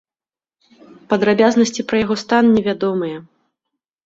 Падрабязнасці пра яго стан не вядомыя.